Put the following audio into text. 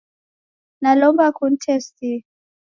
Nalomba kunitesie.